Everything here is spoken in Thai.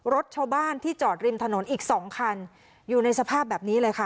รถชาวบ้านที่จอดริมถนนอีกสองคันอยู่ในสภาพแบบนี้เลยค่ะ